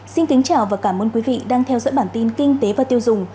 xin kính chào và cảm ơn quý vị đang theo dõi bản tin kinh tế và tiêu dùng